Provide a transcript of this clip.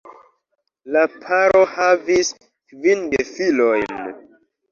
La paro havis kvin gefilojn.